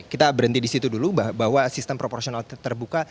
kita berhenti disitu dulu bahwa sistem proposional terbuka